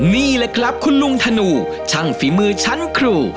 นี่แหละครับคุณลุงธนูช่างฝีมือชั้นครู